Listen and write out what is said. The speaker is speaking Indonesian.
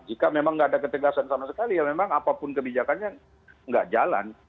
jika memang nggak ada ketegasan sama sekali ya memang apapun kebijakannya nggak jalan